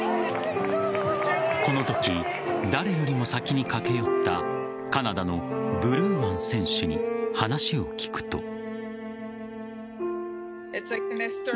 このとき誰よりも先に駆け寄ったカナダのブルーアン選手に話を聞くと。